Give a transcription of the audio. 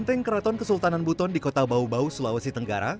tank keraton kesultanan buton di kota bau bau sulawesi tenggara